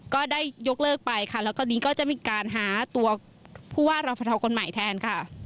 ก็ได้ยกเลิกไปค่ะแล้วตอนนี้ก็จะมีการหาตัวผู้ว่ารอฟทคนใหม่แทนค่ะ